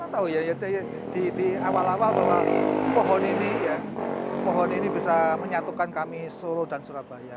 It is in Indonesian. harusnya di awal awal pohon ini bisa menyatukan kami sulu dan surabaya